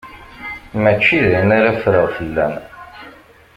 Mačči d ayen ara ffreɣ fell-am.